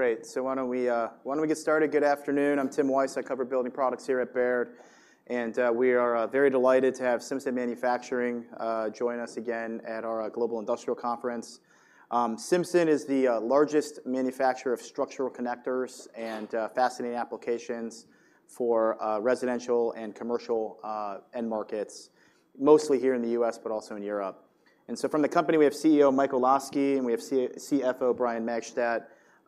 Great. So why don't we get started? Good afternoon. I'm Timothy Wojs. I cover building products here at Baird, and we are very delighted to have Simpson Manufacturing join us again at our Global Industrial Conference. Simpson is the largest manufacturer of structural connectors and fastening applications for residential and commercial end markets, mostly here in the U.S., but also in Europe. And so from the company, we have CEO Mike Olosky, and we have CFO Brian Magstadt.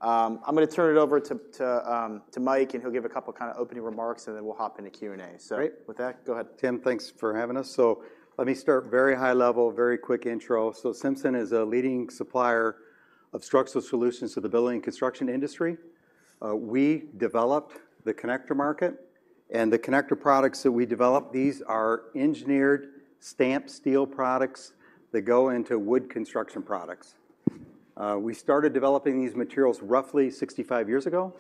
I'm gonna turn it over to Mike, and he'll give a couple kinda opening remarks, and then we'll hop into Q&A. Great. With that, go ahead. Tim, thanks for having us. So let me start very high level, very quick intro. So Simpson is a leading supplier of structural solutions to the building and construction industry. We developed the connector market, and the connector products that we developed, these are engineered, stamped steel products that go into wood construction products. We started developing these materials roughly 65 years ago.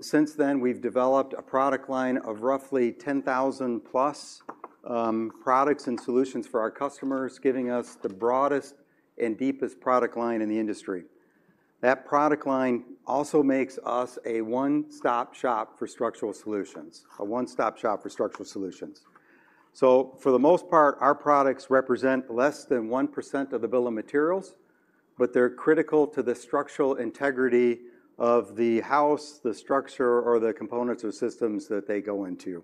Since then, we've developed a product line of roughly 10,000 plus products and solutions for our customers, giving us the broadest and deepest product line in the industry. That product line also makes us a one-stop shop for structural solutions, a one-stop shop for structural solutions. So for the most part, our products represent less than 1% of the bill of materials, but they're critical to the structural integrity of the house, the structure, or the components or systems that they go into.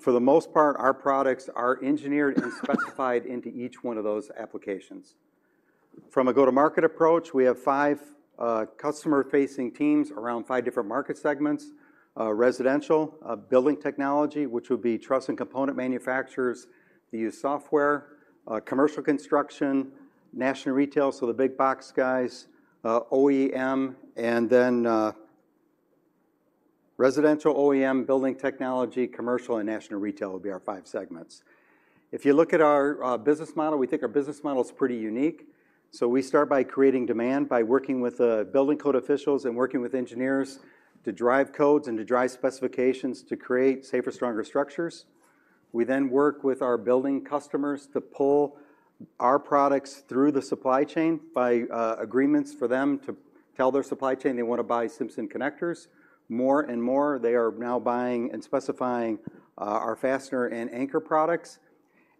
For the most part, our products are engineered and specified into each one of those applications. From a go-to-market approach, we have five customer-facing teams around five different market segments: residential, building technology, which would be truss and component manufacturers, they use software, commercial construction, national retail, so the big box guys, OEM, and then, residential OEM, building technology, commercial, and national retail would be our five segments. If you look at our business model, we think our business model is pretty unique. So we start by creating demand by working with the building code officials and working with engineers to drive codes and to drive specifications to create safer, stronger structures. We then work with our building customers to pull our products through the supply chain by agreements for them to tell their supply chain they want to buy Simpson connectors. More and more, they are now buying and specifying our fastener and anchor products.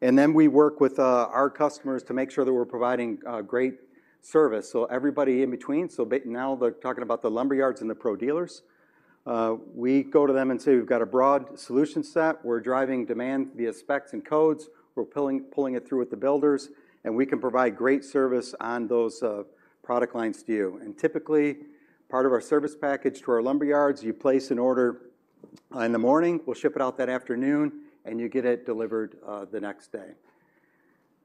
And then we work with our customers to make sure that we're providing great service. So everybody in between, now they're talking about the lumber yards and the pro dealers. We go to them and say: "We've got a broad solution set. We're driving demand via specs and codes. We're pulling it through with the builders, and we can provide great service on those product lines to you." And typically, part of our service package to our lumber yards, you place an order in the morning, we'll ship it out that afternoon, and you get it delivered the next day.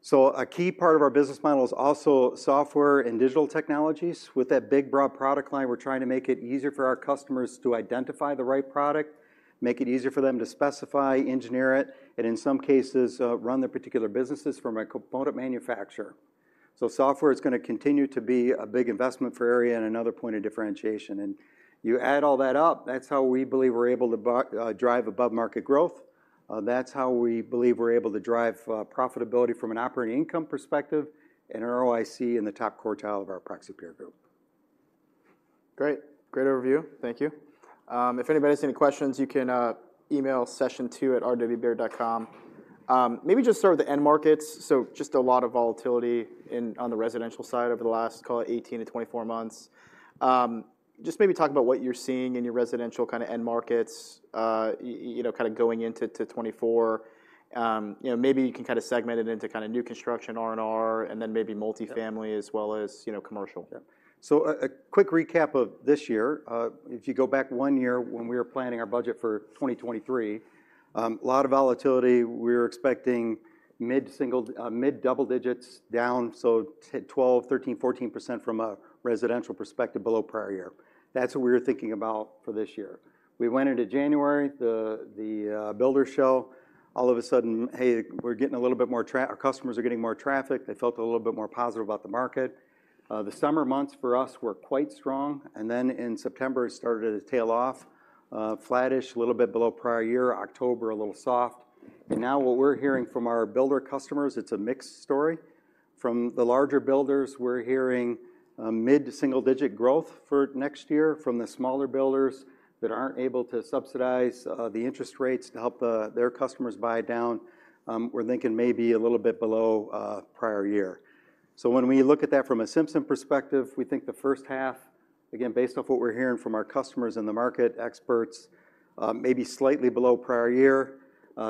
So a key part of our business model is also software and digital technologies. With that big, broad product line, we're trying to make it easier for our customers to identify the right product, make it easier for them to specify, engineer it, and in some cases, run their particular businesses from a component manufacturer. So software is gonna continue to be a big investment for area and another point of differentiation. And you add all that up, that's how we believe we're able to drive above-market growth. That's how we believe we're able to drive profitability from an operating income perspective, and ROIC in the top quartile of our proxy peer group. Great. Great overview. Thank you. If anybody has any questions, you can email sessiontwo@rwbaird.com. Maybe just start with the end markets. So just a lot of volatility in on the residential side over the last, call it 18-24 months. Just maybe talk about what you're seeing in your residential kinda end markets, you know, kinda going into 2024. You know, maybe you can kinda segment it into kinda new construction, R&R, and then maybe multifamily- Yeah... as well as, you know, commercial. Yeah. So a quick recap of this year. If you go back one year when we were planning our budget for 2023, a lot of volatility. We were expecting mid-single, mid-double digits down, so 12%-14% from a residential perspective below prior year. That's what we were thinking about for this year. We went into January, the builder's show, all of a sudden, "Hey, we're getting a little bit more traffic." Our customers are getting more traffic. They felt a little bit more positive about the market. The summer months for us were quite strong, and then in September, it started to tail off, flattish, a little bit below prior year, October, a little soft. And now, what we're hearing from our builder customers, it's a mixed story. From the larger builders, we're hearing, mid- to single-digit growth for next year. From the smaller builders that aren't able to subsidize, the interest rates to help, their customers buy down, we're thinking maybe a little bit below, prior year. So when we look at that from a Simpson perspective, we think the first half, again, based off what we're hearing from our customers and the market experts, maybe slightly below prior year,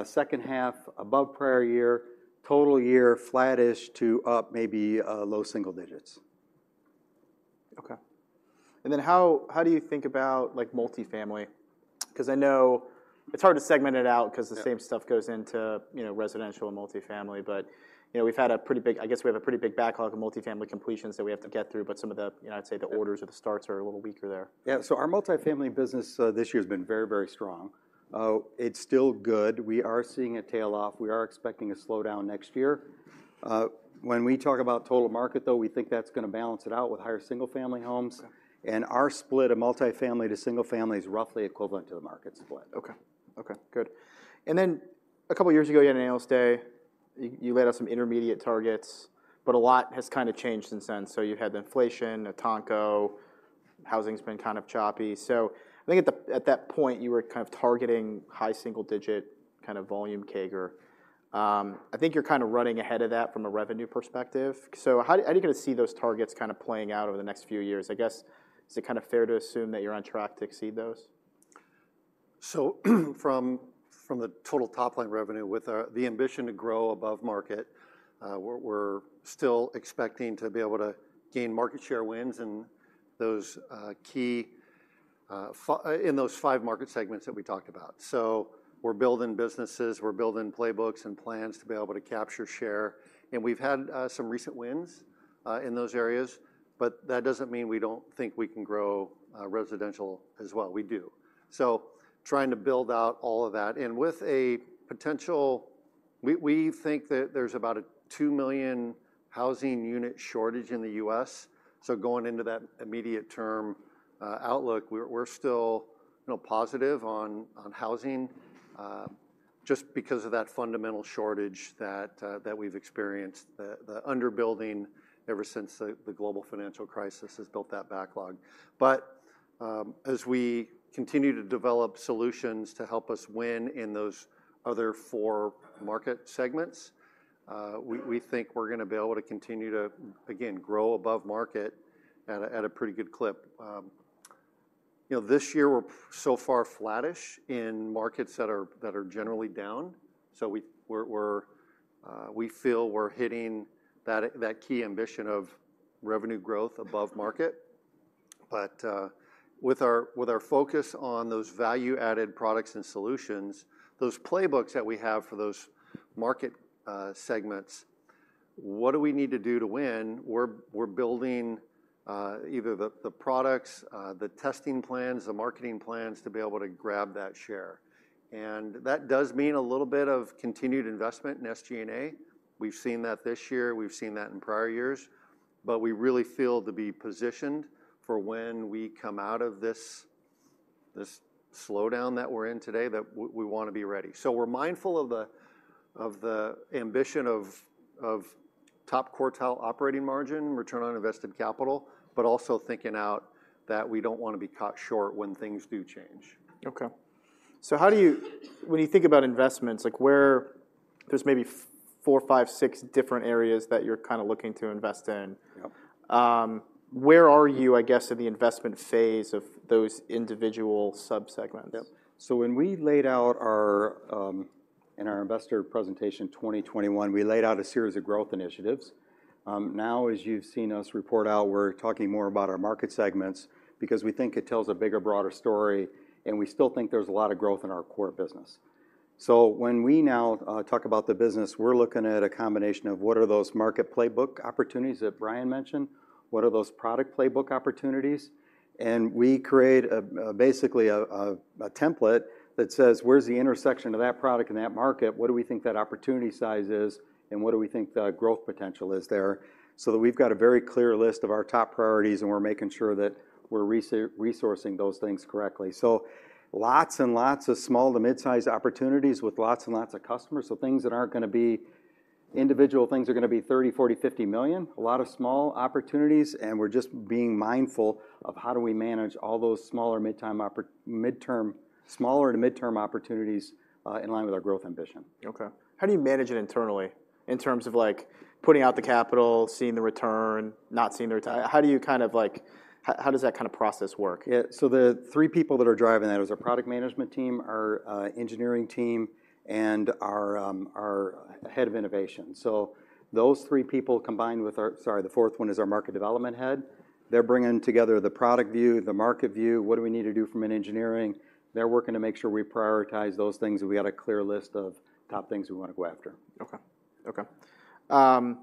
second half, above prior year, total year, flattish to up, maybe, low single digits. Okay. And then how do you think about, like, multifamily? Because I know it's hard to segment it out. Yeah... 'cause the same stuff goes into, you know, residential and multifamily. But, you know, we've had a pretty big—I guess we have a pretty big backlog of multifamily completions that we have to get through, but some of the, you know, I'd say the orders- Yeah... or the starts are a little weaker there. Yeah. So our multifamily business, this year has been very, very strong. It's still good. We are seeing it tail off. We are expecting a slowdown next year. When we talk about total market, though, we think that's gonna balance it out with higher single-family homes. Okay. Our split of multifamily to single family is roughly equivalent to the market split. Okay. Okay, good. And then a couple of years ago, you had an Analyst Day. You laid out some intermediate targets, but a lot has kind of changed since then. So you had the inflation, Etanco, housing's been kind of choppy. So I think at that point, you were kind of targeting high single digit kind of volume CAGR. I think you're kind of running ahead of that from a revenue perspective. So how do you guys see those targets kind of playing out over the next few years? I guess, is it kind of fair to assume that you're on track to exceed those? So from the total top-line revenue, with the ambition to grow above market, we're still expecting to be able to gain market share wins in those key five market segments that we talked about. So we're building businesses, we're building playbooks and plans to be able to capture share, and we've had some recent wins in those areas, but that doesn't mean we don't think we can grow residential as well. We do. So trying to build out all of that, and with a potential. We think that there's about a 2 million housing unit shortage in the U.S. So going into that immediate term outlook, we're still, you know, positive on housing just because of that fundamental shortage that we've experienced. The underbuilding ever since the Global Financial Crisis has built that backlog. But, as we continue to develop solutions to help us win in those other four market segments, we think we're gonna be able to continue to, again, grow above market at a pretty good clip. You know, this year we're so far flattish in markets that are generally down, so we're, we feel we're hitting that key ambition of revenue growth above market. But, with our focus on those value-added products and solutions, those playbooks that we have for those market segments, what do we need to do to win? We're building either the products, the testing plans, the marketing plans, to be able to grab that share. That does mean a little bit of continued investment in SG&A. We've seen that this year, we've seen that in prior years, but we really feel to be positioned for when we come out of this, this slowdown that we're in today, that we wanna be ready. So we're mindful of the, of the ambition of, of top quartile operating margin, return on invested capital, but also thinking out that we don't wanna be caught short when things do change. Okay. So how do you—when you think about investments, like, where... There's maybe four, five, six different areas that you're kinda looking to invest in. Yep. Where are you, I guess, in the investment phase of those individual subsegments? Yep. So when we laid out in our investor presentation 2021, we laid out a series of growth initiatives. Now, as you've seen us report out, we're talking more about our market segments because we think it tells a bigger, broader story, and we still think there's a lot of growth in our core business. So when we now talk about the business, we're looking at a combination of what are those market playbook opportunities that Brian mentioned? What are those product playbook opportunities? And we create basically a template that says: Where's the intersection of that product and that market? What do we think that opportunity size is, and what do we think the growth potential is there? So that we've got a very clear list of our top priorities, and we're making sure that we're resourcing those things correctly. So lots and lots of small to mid-size opportunities with lots and lots of customers, so things that aren't gonna be... Individual things are gonna be $30 million, $40 million, $50 million. A lot of small opportunities, and we're just being mindful of how do we manage all those smaller to midterm opportunities in line with our growth ambition. Okay. How do you manage it internally in terms of, like, putting out the capital, seeing the return, not seeing the return? How do you kind of like... How, how does that kind of process work? Yeah, so the three people that are driving that is our product management team, our engineering team, and our head of innovation. So those three people, combined with, sorry, the fourth one is our market development head. They're bringing together the product view, the market view, what do we need to do from an engineering. They're working to make sure we prioritize those things, and we've got a clear list of top things we wanna go after. Okay. Okay.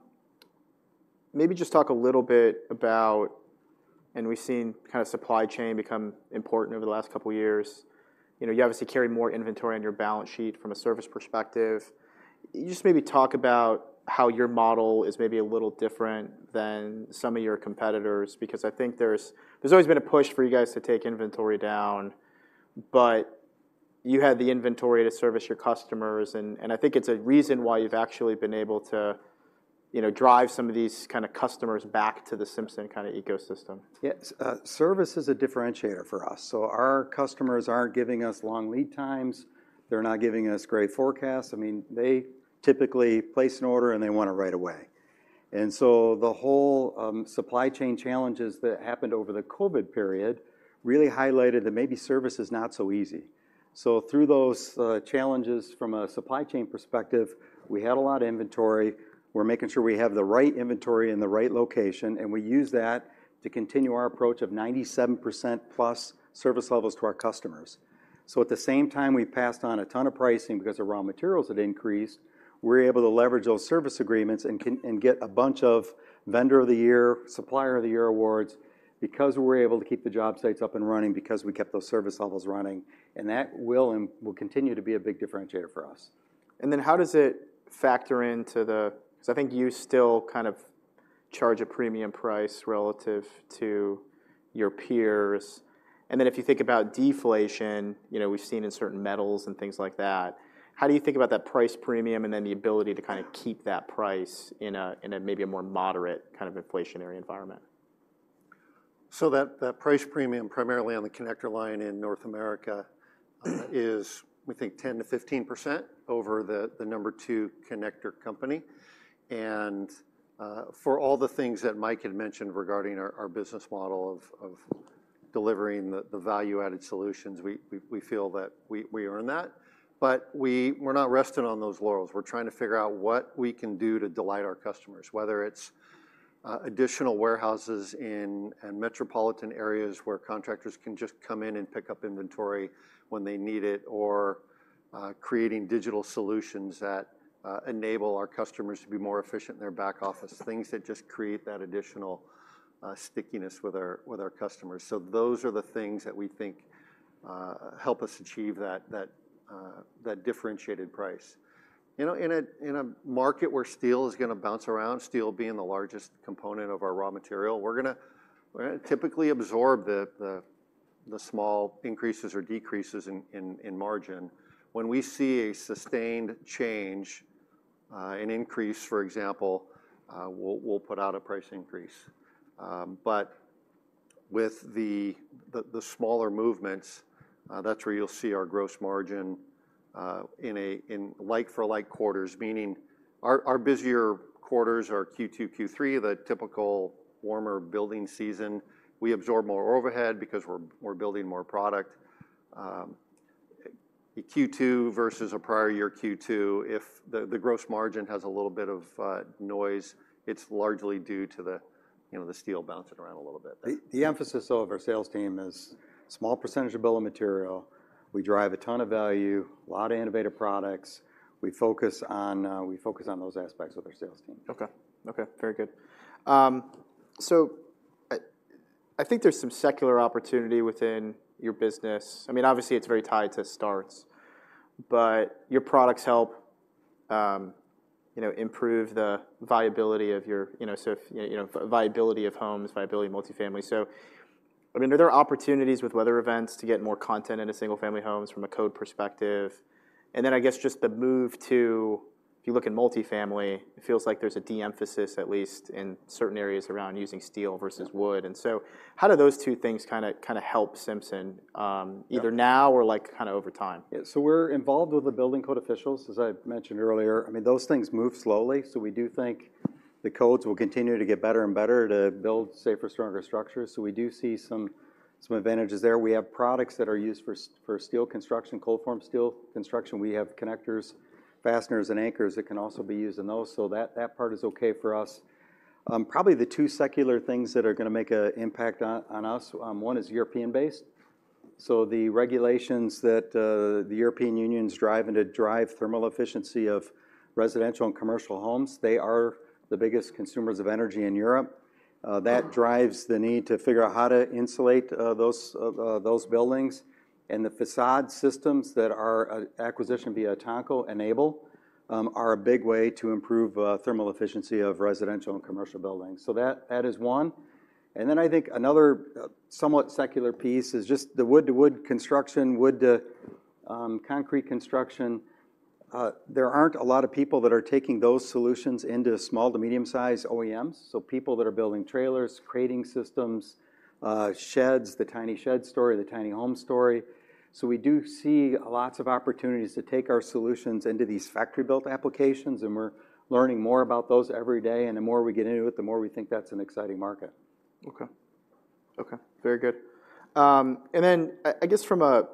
Maybe just talk a little bit about... And we've seen kind of supply chain become important over the last couple of years. You know, you obviously carry more inventory on your balance sheet from a service perspective. Just maybe talk about how your model is maybe a little different than some of your competitors, because I think there's... There's always been a push for you guys to take inventory down, but you had the inventory to service your customers, and I think it's a reason why you've actually been able to, you know, drive some of these kind of customers back to the Simpson kind of ecosystem. Yes. Service is a differentiator for us. So our customers aren't giving us long lead times, they're not giving us great forecasts. I mean, they typically place an order, and they want it right away. And so the whole supply chain challenges that happened over the COVID period really highlighted that maybe service is not so easy. So through those challenges from a supply chain perspective, we had a lot of inventory. We're making sure we have the right inventory in the right location, and we used that to continue our approach of 97% plus service levels to our customers. So at the same time, we passed on a ton of pricing because the raw materials had increased, we're able to leverage those service agreements and get a bunch of Vendor of the Year, Supplier of the Year awards because we were able to keep the job sites up and running, because we kept those service levels running, and that will continue to be a big differentiator for us. And then, how does it factor into the. So, I think you still kind of charge a premium price relative to your peers? And then, if you think about deflation, you know, we've seen in certain metals and things like that, how do you think about that price premium and then the ability to kind of keep that price in a, in a maybe a more moderate kind of inflationary environment? So that price premium, primarily on the connector line in North America, is, we think, 10%-15% over the number two connector company. And for all the things that Mike had mentioned regarding our business model of delivering the value-added solutions, we feel that we earn that. But we're not resting on those laurels. We're trying to figure out what we can do to delight our customers, whether it's additional warehouses in metropolitan areas where contractors can just come in and pick up inventory when they need it, or creating digital solutions that enable our customers to be more efficient in their back office. Things that just create that additional stickiness with our customers. So those are the things that we think help us achieve that differentiated price. You know, in a market where steel is gonna bounce around, steel being the largest component of our raw material, we're gonna typically absorb the small increases or decreases in margin. When we see a sustained change, an increase, for example, we'll put out a price increase. But with the smaller movements, that's where you'll see our gross margin in like-for-like quarters, meaning our busier quarters are Q2, Q3, the typical warmer building season. We absorb more overhead because we're building more product. Q2 versus a prior year Q2, if the gross margin has a little bit of noise, it's largely due to the, you know, the steel bouncing around a little bit. The emphasis of our sales team is small percentage of bill of material. We drive a ton of value, a lot of innovative products. We focus on, we focus on those aspects with our sales team. Okay. Okay, very good. So, I think there's some secular opportunity within your business. I mean, obviously, it's very tied to starts, but your products help, you know, improve the viability of your... You know, so if you know, viability of homes, viability of multifamily. So, I mean, are there opportunities with weather events to get more content into single-family homes from a code perspective? And then, I guess, just the move to, if you look in multifamily, it feels like there's a de-emphasis, at least in certain areas, around using steel versus wood. And so, how do those two things kinda, kinda help Simpson. Yeah... either now or, like, kinda over time? Yeah, so we're involved with the building code officials, as I mentioned earlier. I mean, those things move slowly, so we do think the codes will continue to get better and better to build safer, stronger structures. So we do see some advantages there. We have products that are used for steel construction, cold-form steel construction. We have connectors, fasteners, and anchors that can also be used in those, so that part is okay for us. Probably the two secular things that are gonna make an impact on us, one is European-based. So the regulations that the European Union's driving to drive thermal efficiency of residential and commercial homes, they are the biggest consumers of energy in Europe. That drives the need to figure out how to insulate those buildings. And the façade systems that our acquisition via Etanco enable are a big way to improve thermal efficiency of residential and commercial buildings. So that is one. And then I think another somewhat secular piece is just the wood-to-wood construction, wood to concrete construction. There aren't a lot of people that are taking those solutions into small to medium-sized OEMs, so people that are building trailers, creating systems, sheds, the tiny shed story, the tiny home story. So we do see lots of opportunities to take our solutions into these factory-built applications, and we're learning more about those every day, and the more we get into it, the more we think that's an exciting market. Okay. Okay, very good. And then, I guess from a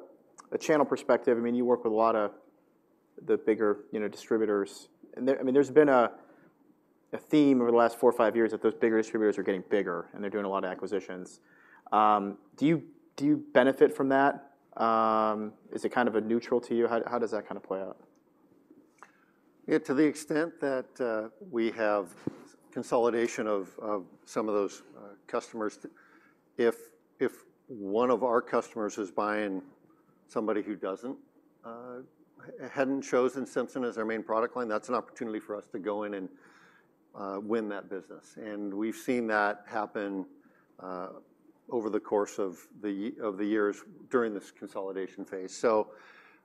channel perspective, I mean, you work with a lot of the bigger, you know, distributors. And there, I mean, there's been a theme over the last four or five years that those bigger distributors are getting bigger, and they're doing a lot of acquisitions. Do you benefit from that? Is it kind of a neutral to you? How does that kinda play out? Yeah, to the extent that we have consolidation of some of those customers, if one of our customers is buying somebody who doesn't hadn't chosen Simpson as their main product line, that's an opportunity for us to go in and win that business. And we've seen that happen over the course of the years during this consolidation phase. So,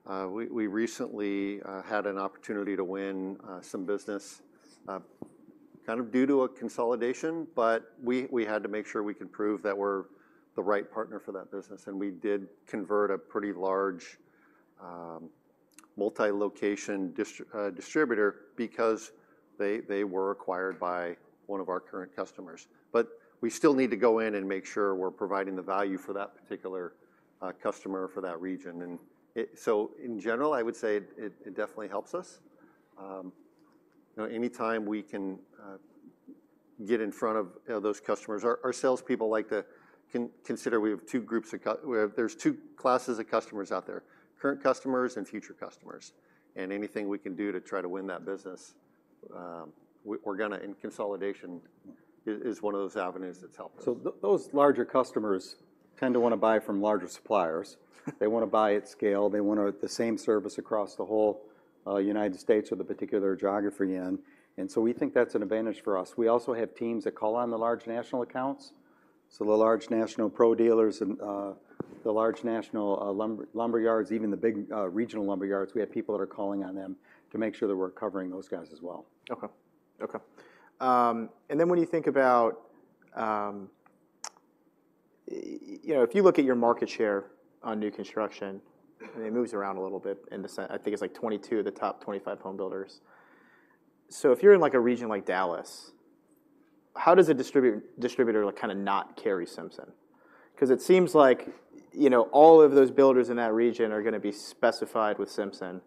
we recently had an opportunity to win some business kind of due to a consolidation, but we had to make sure we could prove that we're the right partner for that business, and we did convert a pretty large multi-location distributor because they were acquired by one of our current customers. But we still need to go in and make sure we're providing the value for that particular customer for that region. And it so in general, I would say it definitely helps us. You know, anytime we can get in front of, you know, those customers. Our salespeople like to consider we have two classes of customers out there, current customers and future customers. And anything we can do to try to win that business, we're gonna, and consolidation is one of those avenues that's helped us. So those larger customers tend to want to buy from larger suppliers. They want to buy at scale, they want the same service across the whole United States or the particular geography in, and so we think that's an advantage for us. We also have teams that call on the large national accounts, so the large national pro dealers and the large national lumberyards, even the big regional lumberyards, we have people that are calling on them to make sure that we're covering those guys as well. Okay. And then when you think about, you know, if you look at your market share on new construction, and it moves around a little bit. I think it's, like, 22 of the top 25 home builders. So if you're in, like, a region like Dallas, how does a distributor, like, kind of not carry Simpson? 'Cause it seems like, you know, all of those builders in that region are gonna be specified with Simpson.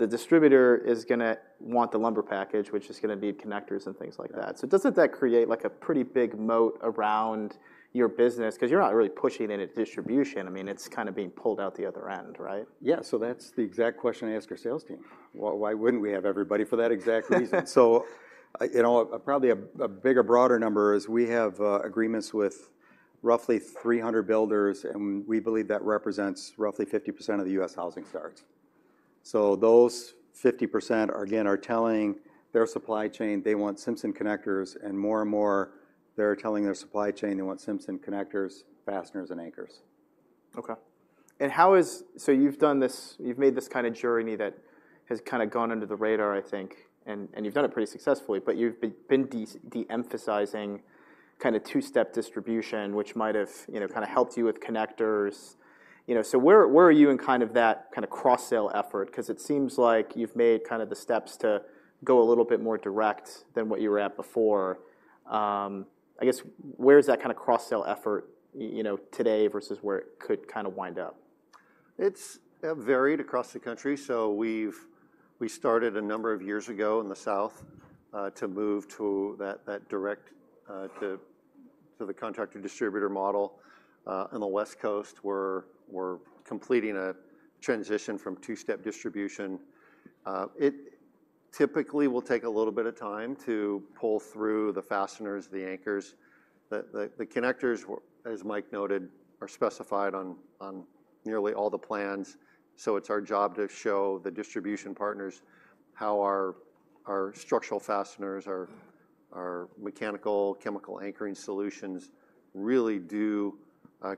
The distributor is gonna want the lumber package, which is gonna be connectors and things like that. So doesn't that create, like, a pretty big moat around your business? 'Cause you're not really pushing any distribution. I mean, it's kind of being pulled out the other end, right? Yeah, so that's the exact question I ask our sales team. Well, why wouldn't we have everybody for that exact reason? So, you know, probably a bigger, broader number is we have agreements with roughly 300 builders, and we believe that represents roughly 50% of the U.S. housing starts. So those 50% are, again, telling their supply chain they want Simpson connectors, and more and more, they're telling their supply chain they want Simpson connectors, fasteners, and anchors. Okay. And how is... So you've done this. You've made this kind of journey that has kind of gone under the radar, I think, and, and you've done it pretty successfully, but you've been de-emphasizing kind of two-step distribution, which might have, you know, kind of helped you with connectors. You know, so where, where are you in kind of that kind of cross-sale effort? 'Cause it seems like you've made kind of the steps to go a little bit more direct than what you were at before. I guess, where is that kind of cross-sale effort you know, today versus where it could kind of wind up? It's varied across the country. So we've started a number of years ago in the South to move to that direct to the contractor distributor model. On the West Coast, we're completing a transition from two-step distribution. It typically will take a little bit of time to pull through the fasteners, the anchors. The connectors, as Mike noted, are specified on nearly all the plans, so it's our job to show the distribution partners how our structural fasteners, our mechanical, chemical anchoring solutions really do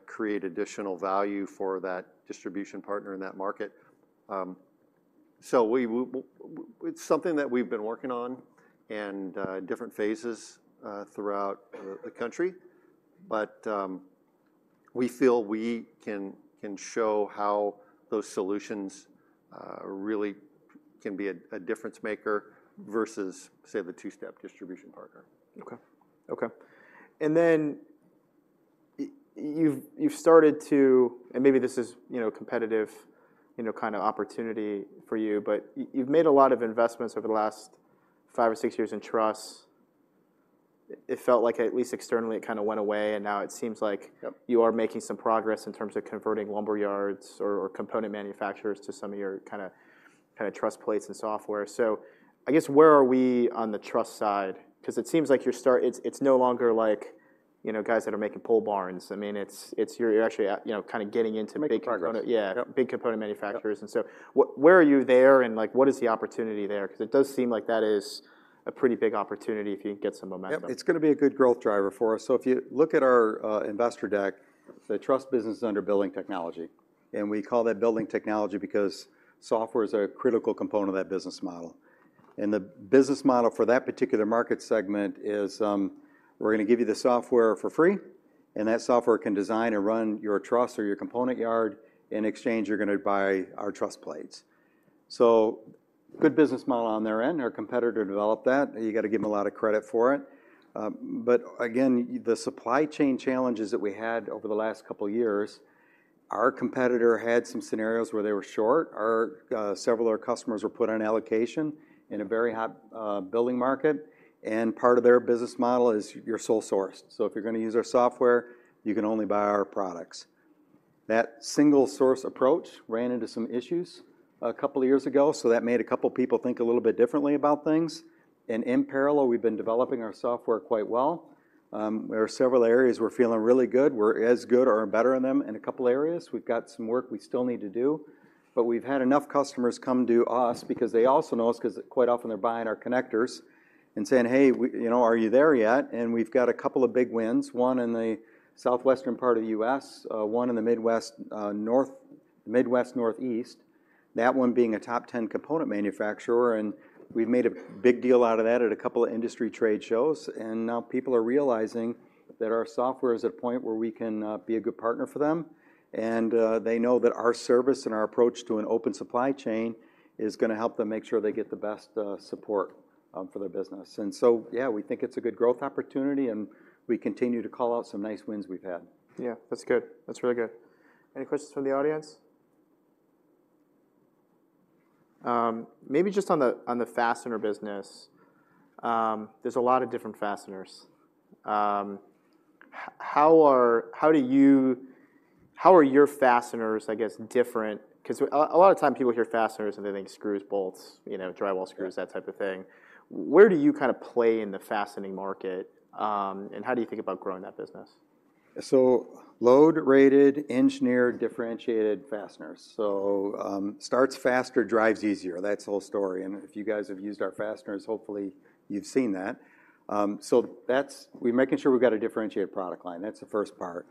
create additional value for that distribution partner in that market. So it's something that we've been working on in different phases throughout the country, but we feel we can show how those solutions really can be a difference maker versus, say, the two-step distribution partner. Okay. Okay. And then, you've started to, and maybe this is, you know, competitive, you know, kind of opportunity for you, but you've made a lot of investments over the last five or six years in truss. It felt like, at least externally, it kind of went away, and now it seems like- Yep ...you are making some progress in terms of converting lumber yards or, or component manufacturers to some of your kind of, kind of truss plates and software. So I guess, where are we on the truss side? 'Cause it seems like your start, it's, it's no longer like, you know, guys that are making pole barns. I mean, it's, it's—you're actually at, you know, kind of getting into big component- Making progress. Yeah. Yep. Big component manufacturers. Yep. And so where are you there, and, like, what is the opportunity there? 'Cause it does seem like that is a pretty big opportunity if you get some momentum. Yep, it's gonna be a good growth driver for us. So if you look at our investor deck, the truss business is under building technology, and we call that building technology because software is a critical component of that business model. And the business model for that particular market segment is, we're gonna give you the software for free, and that software can design and run your truss or your component yard. In exchange, you're gonna buy our truss plates. So good business model on their end. Our competitor developed that, you gotta give them a lot of credit for it. But again, the supply chain challenges that we had over the last couple of years, our competitor had some scenarios where they were short. Our several of our customers were put on allocation in a very hot, building market, and part of their business model is you're sole sourced. So if you're gonna use our software, you can only buy our products. That single source approach ran into some issues a couple of years ago, so that made a couple of people think a little bit differently about things. And in parallel, we've been developing our software quite well. There are several areas we're feeling really good. We're as good or better than them in a couple of areas. We've got some work we still need to do, but we've had enough customers come to us because they also know us, 'cause quite often they're buying our connectors, and saying, "Hey, you know, are you there yet?" And we've got a couple of big wins, one in the southwestern part of the U.S., one in the Midwest, north Midwest, Northeast. That one being a top 10 component manufacturer, and we've made a big deal out of that at a couple of industry trade shows. And now people are realizing that our software is at a point where we can be a good partner for them, and they know that our service and our approach to an open supply chain is gonna help them make sure they get the best support for their business. And so, yeah, we think it's a good growth opportunity, and we continue to call out some nice wins we've had. Yeah, that's good. That's really good. Any questions from the audience? Maybe just on the fastener business, there's a lot of different fasteners. How are your fasteners, I guess, different? 'Cause a lot of time people hear fasteners, and they think screws, bolts, you know, drywall screws, that type of thing. Where do you kinda play in the fastening market, and how do you think about growing that business? So load-rated, engineered, differentiated fasteners. So, starts faster, drives easier. That's the whole story, and if you guys have used our fasteners, hopefully you've seen that. So that's—we're making sure we've got a differentiated product line. That's the first part.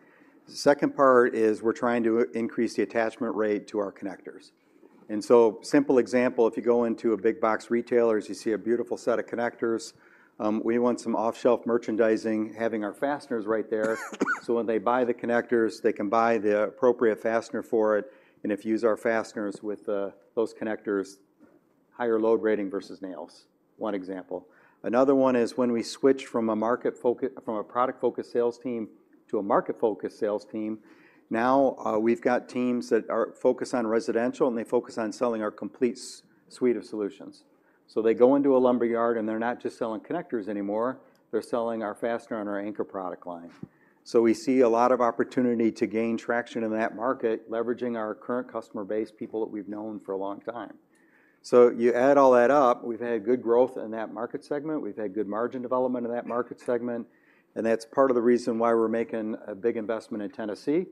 The second part is we're trying to increase the attachment rate to our connectors. And so simple example, if you go into a big box retailers, you see a beautiful set of connectors. We want some off-shelf merchandising, having our fasteners right there, so when they buy the connectors, they can buy the appropriate fastener for it. And if you use our fasteners with, those connectors, higher load rating versus nails, one example. Another one is when we switched from a market focus—from a product-focused sales team to a market-focused sales team. Now we've got teams that are focused on residential, and they focus on selling our complete suite of solutions. So they go into a lumber yard, and they're not just selling connectors anymore. They're selling our fastener and our anchor product line. So we see a lot of opportunity to gain traction in that market, leveraging our current customer base, people that we've known for a long time. So you add all that up, we've had good growth in that market segment. We've had good margin development in that market segment, and that's part of the reason why we're making a big investment in Tennessee.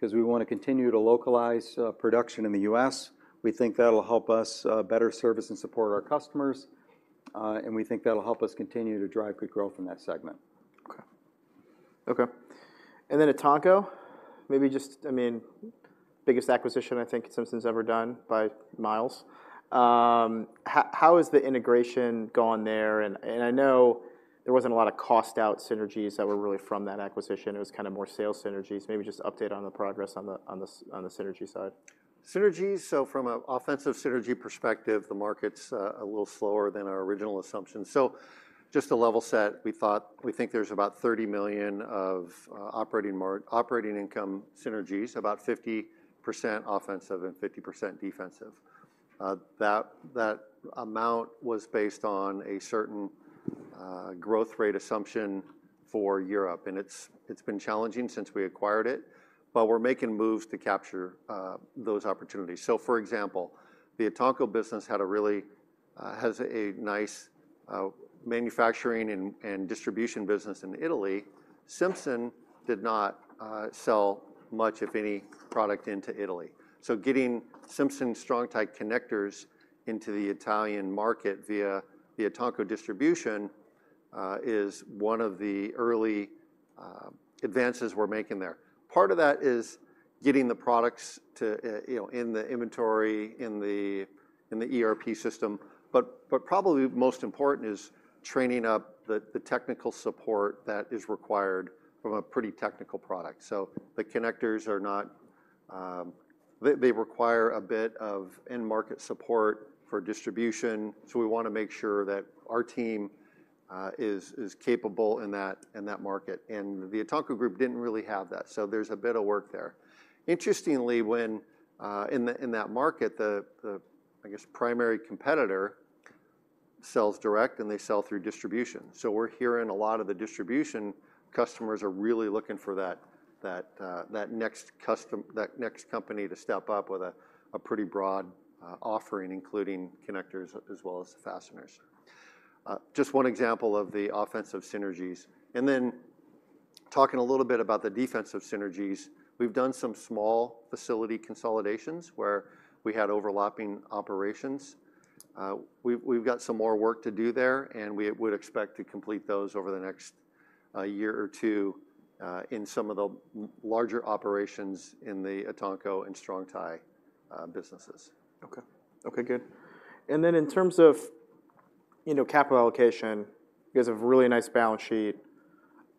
'Cause we wanna continue to localize production in the U.S. We think that'll help us better service and support our customers, and we think that'll help us continue to drive good growth in that segment. Okay. Okay, and then Etanco, maybe just, I mean, biggest acquisition I think Simpson's ever done by miles. How has the integration gone there? And I know there wasn't a lot of cost-out synergies that were really from that acquisition. It was kinda more sales synergies. Maybe just update on the progress on the synergy side. Synergy, so from an offensive synergy perspective, the market's a little slower than our original assumptions. So just to level set, we thought—we think there's about $30 million of operating income synergies, about 50% offensive and 50% defensive. That amount was based on a certain growth rate assumption for Europe, and it's been challenging since we acquired it, but we're making moves to capture those opportunities. So for example, the Etanco business had a really has a nice manufacturing and distribution business in Italy. Simpson did not sell much, if any, product into Italy. So getting Simpson Strong-Tie connectors into the Italian market via the Etanco distribution is one of the early advances we're making there. Part of that is getting the products to, you know, in the inventory, in the ERP system. But probably most important is training up the technical support that is required from a pretty technical product. So the connectors are not... They require a bit of in-market support for distribution, so we wanna make sure that our team is capable in that market. And the Etanco group didn't really have that, so there's a bit of work there. Interestingly, in that market, the I guess primary competitor sells direct, and they sell through distribution. So we're hearing a lot of the distribution customers are really looking for that next custom-- that next company to step up with a pretty broad offering, including connectors as well as fasteners. Just one example of the offensive synergies. And then talking a little bit about the defensive synergies, we've done some small facility consolidations where we had overlapping operations. We've got some more work to do there, and we would expect to complete those over the next year or two in some of the larger operations in the Etanco and Strong-Tie businesses. Okay. Okay, good. And then in terms of, you know, capital allocation, you guys have a really nice balance sheet.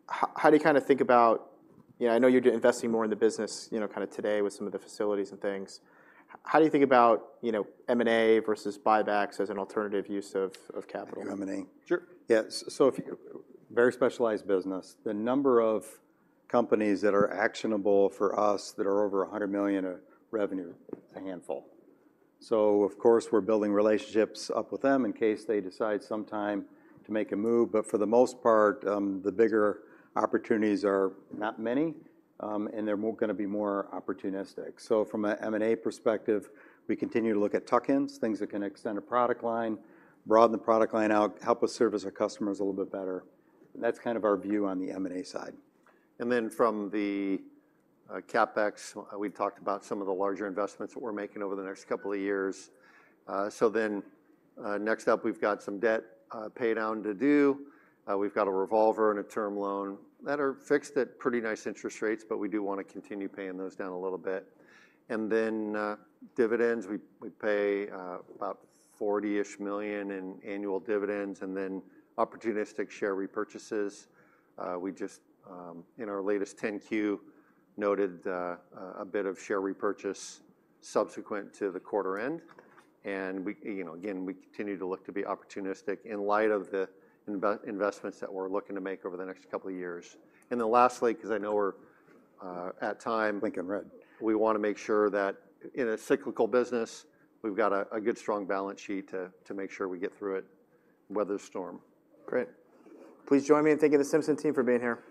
How do you kinda think about... You know, I know you're investing more in the business, you know, kinda today with some of the facilities and things. How do you think about, you know, M&A versus buybacks as an alternative use of, of capital? M&A. Sure. Yeah, so very specialized business, the number of companies that are actionable for us that are over $100 million of revenue is a handful. So of course, we're building relationships up with them in case they decide sometime to make a move, but for the most part, the bigger opportunities are not many, and they're more gonna be more opportunistic. So from a M&A perspective, we continue to look at tuck-ins, things that can extend a product line, broaden the product line out, help us service our customers a little bit better. That's kind of our view on the M&A side. And then from the CapEx, we've talked about some of the larger investments that we're making over the next couple of years. So then, next up, we've got some debt pay down to do. We've got a revolver and a term loan that are fixed at pretty nice interest rates, but we do wanna continue paying those down a little bit. And then, dividends, we, we pay about $40 million in annual dividends, and then opportunistic share repurchases. We just, in our latest 10-Q, noted a bit of share repurchase subsequent to the quarter-end. And we, you know, again, we continue to look to be opportunistic in light of the investments that we're looking to make over the next couple of years. And then lastly, 'cause I know we're at time- Blinking red... we wanna make sure that in a cyclical business, we've got a good, strong balance sheet to make sure we get through it, weather the storm. Great. Please join me in thanking the Simpson team for being here.